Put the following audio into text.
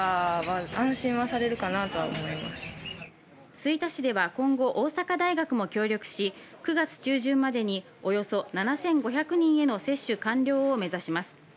吹田市では今後、大阪大学も協力し、９月中旬までにおよそ７５００人への接種完了を目指します。